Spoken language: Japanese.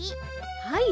はい。